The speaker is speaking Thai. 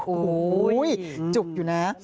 โอ้โหจุกอยู่นะ